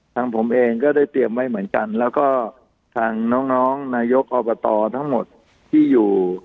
ทางผมเองก็ได้เตรียมไว้เหมือนกันแล้วก็ทางน้องนายกอบตทั้งหมดที่อยู่